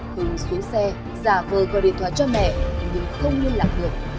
hưng xuống xe giả vờ gọi điện thoại cho mẹ nhưng không liên lạc được